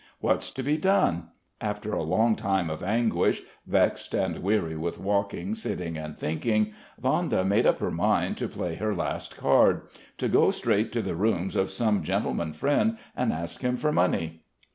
What's to be done? After a long time of anguish, vexed and weary with walking, sitting, and thinking, Vanda made up her mind to play her last card: to go straight to the rooms of some gentleman friend and ask him for money.